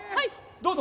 どうぞ。